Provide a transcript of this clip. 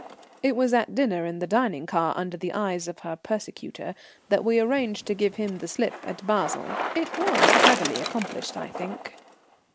It was at dinner in the dining car, under the eyes of her persecutor, that we arranged to give him the slip at Basle. It was cleverly accomplished, I think.